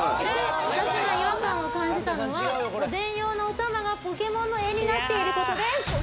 私が違和感を感じたのはおでん用のおたまがポケモンの柄になっていることです